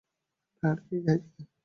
তাহার কি হয়েছে।